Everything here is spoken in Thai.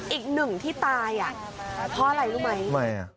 อีก๑ที่ตายอะเพราะอะไรรู้ไหม